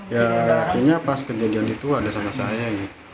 ya akhirnya pas kejadian itu ada sama saya